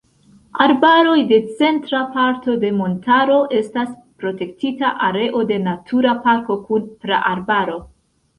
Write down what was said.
Arbaroj de centra parto de montaro estas protektita areo de Natura parko kun praarbaro.